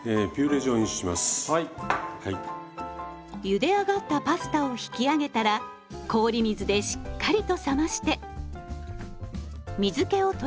ゆで上がったパスタを引き上げたら氷水でしっかりと冷まして水けを取ります。